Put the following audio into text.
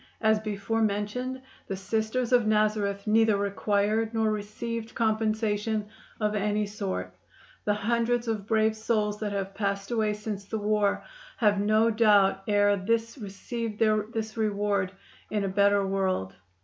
As before mentioned, the Sisters of Nazareth neither required nor received compensation of any sort. The hundreds of brave souls that have passed away since the war have no doubt ere this received their reward in a better world.